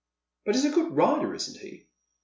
" But he's a good rider, isn't he ?